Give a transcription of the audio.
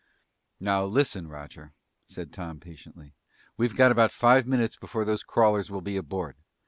"Now, listen, Roger," said Tom patiently, "we've got about five minutes before those crawlers will be aboard.